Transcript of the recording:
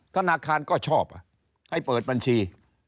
ธนาคารก็ชอบให้เปิดบัญชี